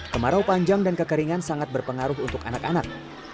kemarau panjang dan kekeringan sangat berpengaruh untuk anak anak